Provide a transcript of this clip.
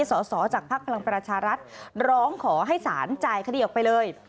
สอสอจากภักดิ์พลังประชารัฐร้องขอให้ศาลจ่ายคดีออกไปเลย